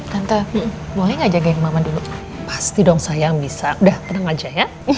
tante boleh gak jaga yang mama dulu pasti dong sayang bisa udah tenang aja ya